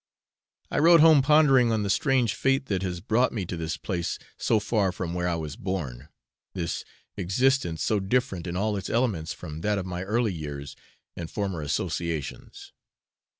I rode home pondering on the strange fate that has brought me to this place so far from where I was born, this existence so different in all its elements from that of my early years and former associations.